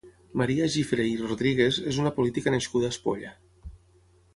Maria Gifré i Rodríguez és una política nascuda a Espolla.